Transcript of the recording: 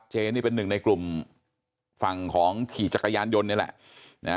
เจนี่เป็นหนึ่งในกลุ่มฝั่งของขี่จักรยานยนต์นี่แหละ